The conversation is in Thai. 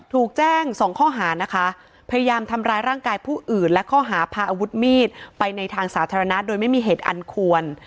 ถูกแจ้งสองข้อหานะคะพยายามทำร้ายร่างกายผู้อื่นและข้อหาพาอาวุธมีดไปในทางสาธารณะโดยไม่มีเหตุอันควร